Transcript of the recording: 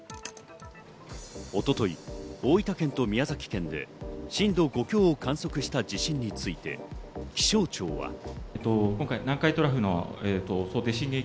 一昨日、大分県と宮崎県で震度５強を観測した地震について気象庁は。